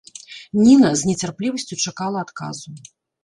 Ніна з нецярплівасцю чакала адказу.